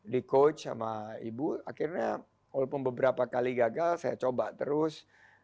di coach sama ibu akhirnya walaupun beberapa kali gagal saya coba terus